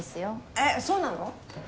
えっそうなの？